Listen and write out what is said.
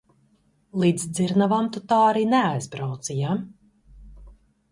Līdz dzirnavām tu tā arī neaizbrauci, ja?